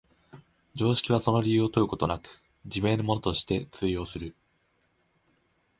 常識はその理由を問うことなく、自明のものとして通用する。